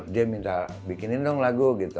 dia minta bikinin dong lagu gitu